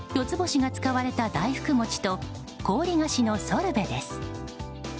つぼしが使われた大福餅と氷菓子のソルベです。